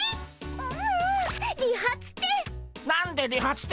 ううん理髪店。